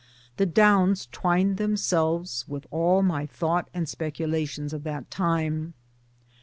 The Downs twined themselves with all my thought and specula tions of that time.